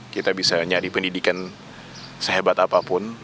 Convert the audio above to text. kita bisa nyari pendidikan sehebat apapun